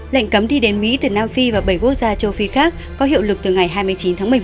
lệnh cấm đi đến mỹ từ nam phi và bảy quốc gia châu phi khác có hiệu lực từ ngày hai mươi chín tháng một mươi một